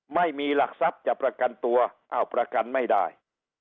ไม่มีหลักทรัพย์จะประกันตัวอ้าวประกันไม่ได้